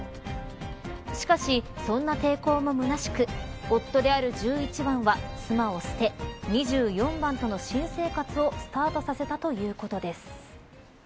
しかし、そんな抵抗もむなしく夫である１１番は、妻を捨て２４番との新生活をスタートさせたということです。